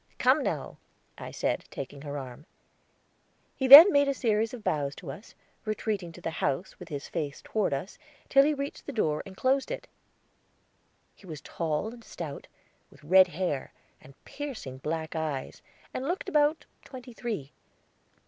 "Come now," I said, taking her arm. He then made a series of bows to us, retreating to the house, with his face toward us, till he reached the door and closed it. He was tall and stout, with red hair, and piercing black eyes, and looked about twenty three.